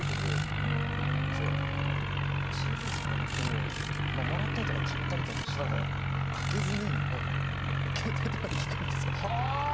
ＣＤもらったりとか買ったりして開けずに携帯とかで聴くんですよ。